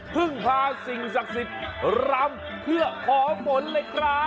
พึ่งพาสิ่งศักดิ์สิทธิ์รำเพื่อขอฝนเลยครับ